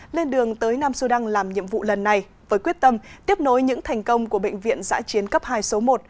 lên đường tới nam sudan làm nhiệm vụ lần này với quyết tâm tiếp nối những thành công của bệnh viện giã chiến cấp hai số một